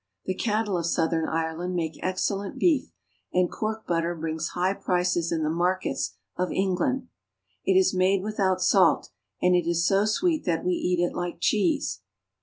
The cattle of southern Ireland make excellent beef, and Cork butter brings high prices in the markets of England. It is made without salt, and it is so sweet that we eat it like cheese.